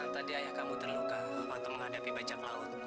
tadi ayah kamu terluka atau menghadapi bajak laut